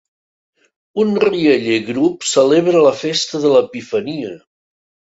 Un rialler grup celebra la festa de l'Epifania.